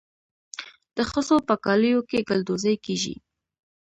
د ښځو په کالیو کې ګلدوزي کیږي.